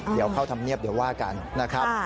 เดี๋ยวเข้าธรรมเนียบเดี๋ยวว่ากันนะครับ